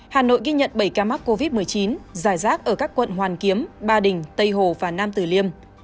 hà nội ghi nhận bảy ca mắc covid một mươi chín dài rác ở các quận hoàn kiếm ba đình tây hồ và nam tử liêm